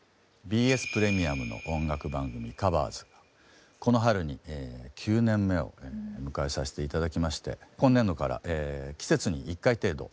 「ＢＳプレミアム」の音楽番組「ＴｈｅＣｏｖｅｒｓ」がこの春に９年目を迎えさして頂きまして今年度から季節に１回程度。